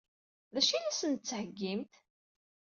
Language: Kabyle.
D acu i la sent-d-tettheggimt?